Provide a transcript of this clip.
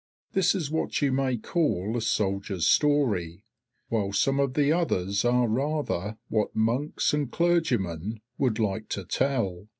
This is what you may call a soldier's story, while some of the others are rather what monks and clergymen would like to tell.